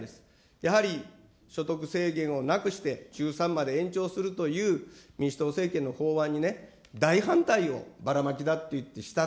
やはり所得制限をなくして、中３まで延長するという民主党政権の法案にね、大反対をばらまきだって言って、した。